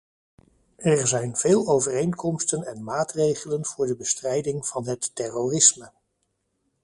Er zijn veel overeenkomsten en maatregelen voor de bestrijding van het terrorisme.